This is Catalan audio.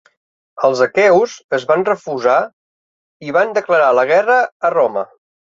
Els aqueus es van refusar i van declarar la guerra a Roma.